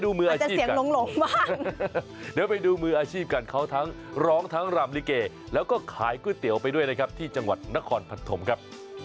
เดี๋ยวไปดูมืออาชีพกันเขาทั้งร้องทั้งรำลิเกแล้วก็ขายก๋วยเตี๋ยวไปด้วยนะครับที่จังหวัดนครผัดถมครับ